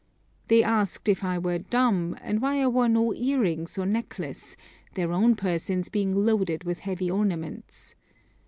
They asked if I were dumb, and why I wore no earrings or necklace, their own persons being loaded with heavy ornaments.